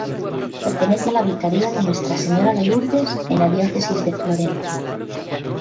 Pertenece a la Vicaría de Nuestra Señora de Lourdes en la Diócesis de Florencia.